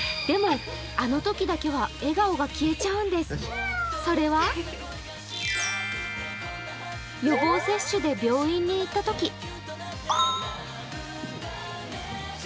でも、あのときだけは笑顔が消えちゃうんです、それは、予防接種で病院に行ったとき。